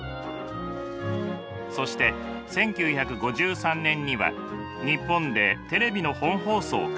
そして１９５３年には日本でテレビの本放送開始。